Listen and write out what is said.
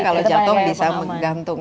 kalau jatuh bisa menggantung